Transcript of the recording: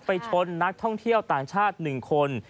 ไปชนนักท่องเที่ยวต่างชาติ๑คน